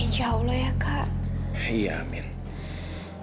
seolah olah kita berambil tentu hiho r march